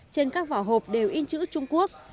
trên các vỏ hộp đều in chữ trung quốc